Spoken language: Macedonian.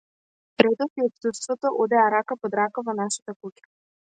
Редот и отсуството одеа рака под рака во нашата куќа.